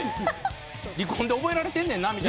離婚で覚えられてんねんなみたいな。